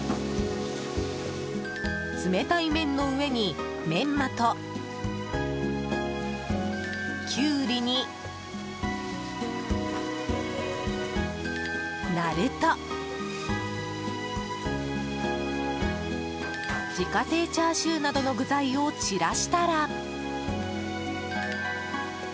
冷たい麺の上にメンマとキュウリになると自家製チャーシューなどの具材を散らしたら。